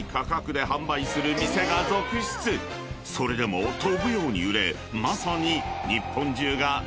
［それでも飛ぶように売れまさに］